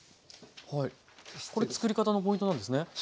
これ作り方のポイントなんですね。